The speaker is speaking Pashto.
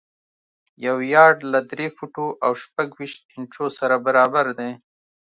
یو یارډ له درې فوټو او شپږ ویشت انچو سره برابر دی.